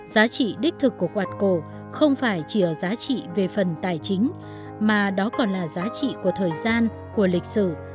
giá trị đích thực của quạt cổ không phải chỉ ở giá trị về phần tài chính mà đó còn là giá trị của thời gian của lịch sử